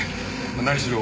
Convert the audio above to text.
何しろ